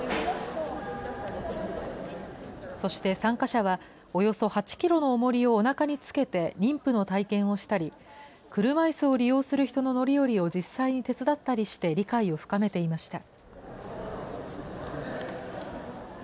そして参加者はおよそ８キロのおもりをおなかにつけて妊婦の体験をしたり、車いすを利用する人の乗り降りを実際に手伝ったりして理解を深めていました。